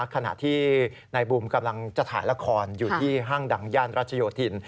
ขณะที่นายบูมกำลังจะถ่ายละครอยู่ที่ห้างดังย่านรัชโยธิน